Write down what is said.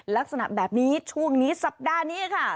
ลักษณะแบบนี้ช่วงนี้สัปดาห์นี้ค่ะ